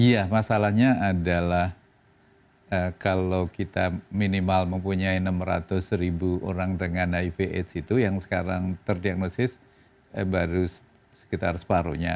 iya masalahnya adalah kalau kita minimal mempunyai enam ratus ribu orang dengan hiv aids itu yang sekarang terdiagnosis baru sekitar separuhnya